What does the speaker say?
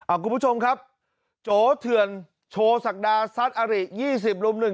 ครับคุณผู้ชมครับโจเถือนโชศักดาสัตว์อาริยี่สิบลุ้มหนึ่ง